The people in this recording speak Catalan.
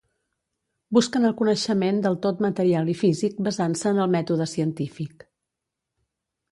Busquen el coneixement del tot material i físic basant-se en el mètode científic.